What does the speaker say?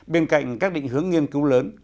bên cạnh các định hướng nghiên cứu lớn